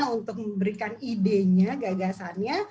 untuk memberikan idenya gagasannya